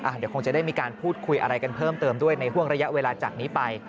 เดี๋ยวคงจะได้มีการพูดคุยอะไรกันเพิ่มเติมด้วยในห่วงระยะเวลาจากนี้ไป